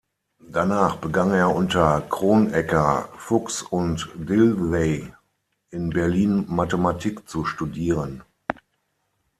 Danach begann er unter Kronecker, Fuchs und Dilthey in Berlin Mathematik zu studieren.